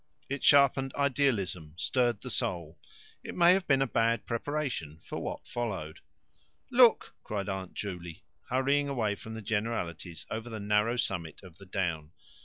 It sharpened idealism, stirred the soul. It may have been a bad preparation for what followed. "Look!" cried Aunt Juley, hurrying away from generalities over the narrow summit of the down.